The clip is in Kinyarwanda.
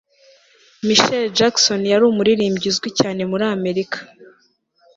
michael jackson yari umuririmbyi uzwi cyane muri amerika